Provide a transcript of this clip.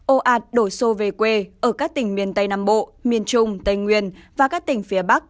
ô ạt đổ xô về quê ở các tỉnh miền tây nam bộ miền trung tây nguyên và các tỉnh phía bắc